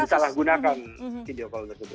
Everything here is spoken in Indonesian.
lalu bisa ditolak gunakan video call tersebut